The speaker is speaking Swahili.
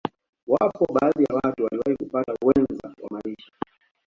Wapo baadhi ya watu waliyowahi kupata wenza wa maisha